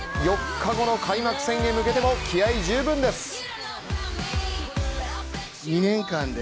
４日後の開幕戦へ向けても気合い十分です。